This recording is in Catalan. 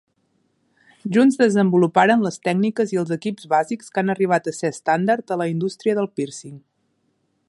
Junts desenvoluparen les tècniques i els equips bàsics que han arribat a ser estàndard a la indústria del pírcing.